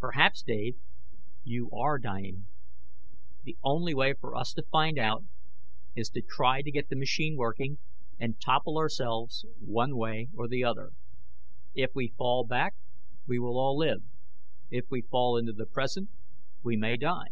"Perhaps, Dave, you are dying. The only way for us to find out is to try to get the machine working and topple ourselves one way or the other. If we fall back, we will all live. If we fall into the present we may die."